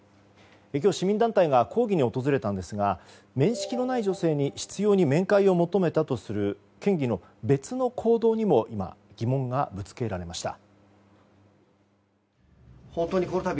今日、市民団体が抗議に訪れたんですが面識のない女性に執拗に面会を求めたとする県議の別の行動にも今疑問がぶつけられました。